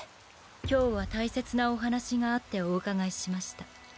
今日は大切なお話があってお伺いしました。